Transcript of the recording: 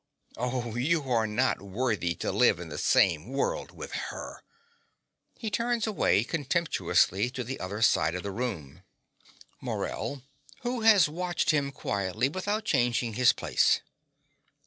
Oh, you are not worthy to live in the same world with her. (He turns away contemptuously to the other side of the room.) MORELL (who has watched him quietly without changing his place).